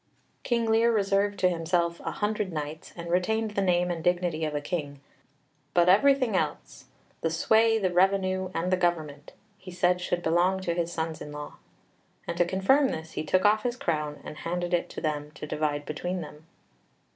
King Lear reserved to himself a hundred knights, and retained the name and dignity of a King; but everything else the sway, the revenue, and the government he said should belong to his sons in law. And to confirm this, he took off his crown, and handed it to them to divide between them.